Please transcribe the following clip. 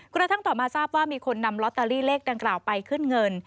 กระทั่งต่อมาทราบว่ามีคนนำลอตเตอรี่เลขดังกล่าวไปขึ้นเงิน